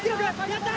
やった！